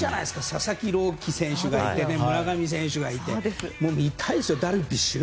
佐々木朗希選手がいて村上選手がいて見たいですよ、ダルビッシュ？